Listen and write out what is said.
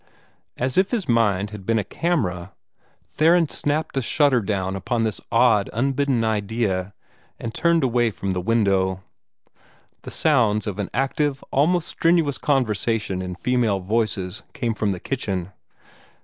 As if his mind had been a camera, Theron snapped a shutter down upon this odd, unbidden idea, and turned away from the window. The sounds of an active, almost strenuous conversation in female voices came from the kitchen.